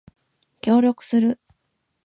協力する